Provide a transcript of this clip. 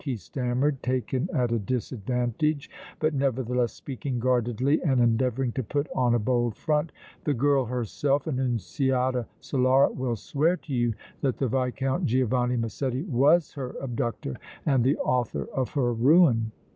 he stammered, taken at a disadvantage, but nevertheless speaking guardedly and endeavoring to put on a bold front. "The girl herself, Annunziata Solara, will swear to you that the Viscount Giovanni Massetti was her abductor and the author of her ruin!"